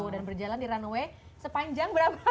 dan berjalan di runway sepanjang berapa